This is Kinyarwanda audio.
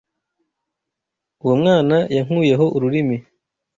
Uwo mwana yankuyeho ururimi.